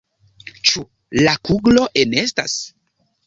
Ĉu la kuglo enestas?